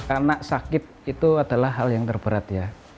anak sakit itu adalah hal yang terberat ya